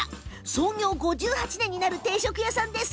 創業５８年になる定食屋さんです。